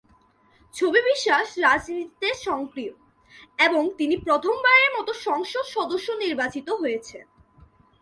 ছবি বিশ্বাস রাজনীতিতে সক্রিয় এবং তিনি প্রথম বারের মতো সংসদ সদস্য নির্বাচিত হয়েছেন।